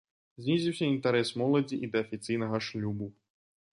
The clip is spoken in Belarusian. Знізіўся інтарэс моладзі і да афіцыйнага шлюбу.